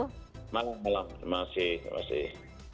selamat malam terima kasih